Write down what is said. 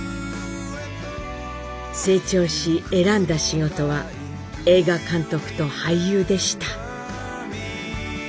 成長し選んだ仕事は映画監督と俳優でした。